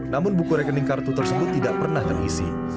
namun buku rekening kartu tersebut tidak pernah terisi